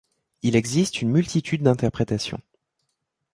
Il existe une multitude d’interprétations.